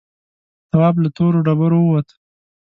تواب له تورو ډبرو ووت.